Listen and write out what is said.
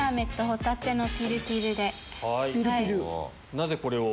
なぜこれを？